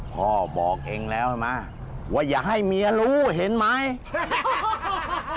พ่อบอกเองแล้วใช่ไหมว่าอย่าให้เมียรู้เห็นไหม